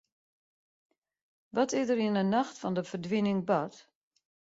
Wat is der yn 'e nacht fan de ferdwining bard?